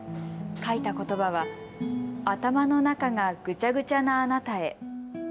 書いたことばは頭の中がぐちゃぐちゃなあなたへ。